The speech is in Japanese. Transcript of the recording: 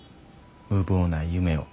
無謀な夢を。